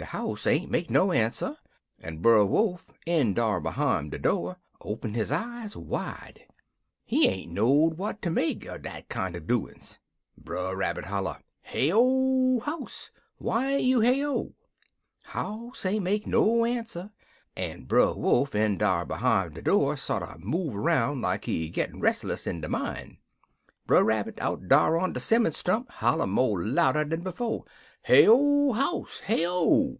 "De house ain't make no answer, en Brer Wolf, in dar behime de door, open his eyes wide. He ain't know what ter make er dat kinder doin's. "Brer Rabbit holler, 'Heyo, house! Why n't you heyo?' "House ain't make no answer, en Brer Wolf in dar behime de door sorter move roun' like he gittin' restless in de min'. "Brer Rabbit out dar on de 'simmon stump holler mo' louder dan befo', 'Heyo, house! Heyo!'